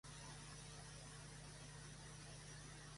Era la contrapartida de su versión española, el Padrón Real.